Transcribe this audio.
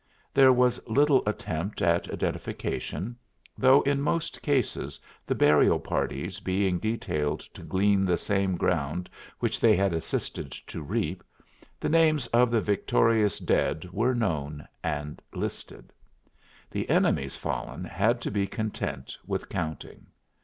There was little attempt at identification, though in most cases, the burial parties being detailed to glean the same ground which they had assisted to reap, the names of the victorious dead were known and listed. The enemy's fallen had to be content with counting.